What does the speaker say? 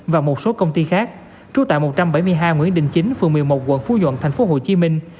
và một số công ty khác trú tại một trăm bảy mươi hai nguyễn đình chính phường một mươi một quận phú nhuận thành phố hồ chí minh